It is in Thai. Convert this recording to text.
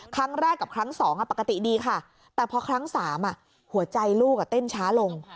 ครั้งแรกกับครั้งสองปกติดีค่ะแต่พอครั้ง๓หัวใจลูกเต้นช้าลง